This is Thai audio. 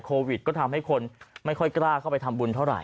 โควิดก็ทำให้คนไม่ค่อยกล้าเข้าไปทำบุญเท่าไห